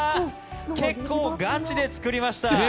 結構、ガチで作りました。